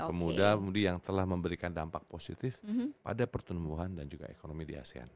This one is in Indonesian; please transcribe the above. pemuda pemudi yang telah memberikan dampak positif pada pertumbuhan dan juga ekonomi di asean